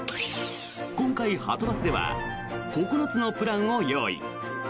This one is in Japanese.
今回、はとバスでは９つのプランを用意。